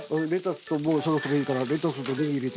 もうそろそろいいからレタスとねぎ入れてくれ。